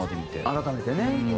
改めてね。